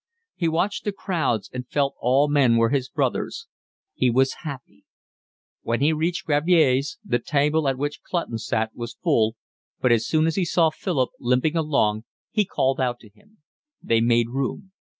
He watched the crowds, and felt all men were his brothers. He was happy. When he reached Gravier's the table at which Clutton sat was full, but as soon as he saw Philip limping along he called out to him. They made room.